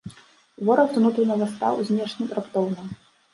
Вораг з унутранага стаў знешнім раптоўна.